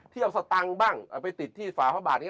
ที่เอาสตังบ้างเอาไปติดที่ฟ้าพระบาท